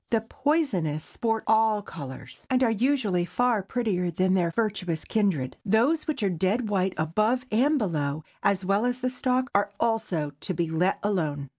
The poisonous sport all colors, and are usually far prettier than their virtuous kindred. Those which are dead white above and below, as well as the stalk, are also to be let alone.